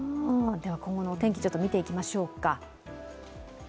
今後のお天気、見ていきましょうか。